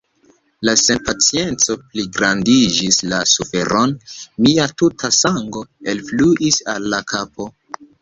La senpacienco pligrandigis la suferon; mia tuta sango alfluis al la kapo.